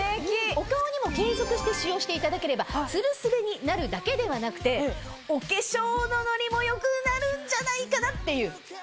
お顔にも継続して使用していただければツルスベになるだけではなくてお化粧のノリも良くなるんじゃないかなっていう。